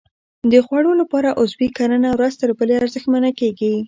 د خوړو لپاره عضوي کرنه ورځ تر بلې ارزښتمنه کېږي.